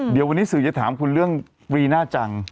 เดี๋ยววันนี้สื่อจะถามคุณเรื่องรีน่าจัง